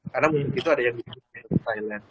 karena mungkin itu ada yang dikirim ke thailand